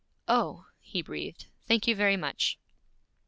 'Oh!' he breathed. 'Thank you very much.'